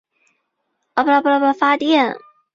这被称为发电。